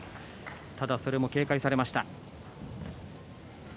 ただそれも警戒されました。